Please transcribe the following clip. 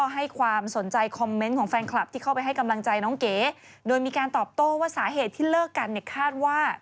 หนูว่าคนอื่นฟังก็อาจจะรู้สึกเหมือนกันแหละ